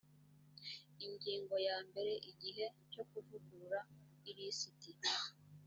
ingingo yambere igihe cyo kuvugurura ilisiti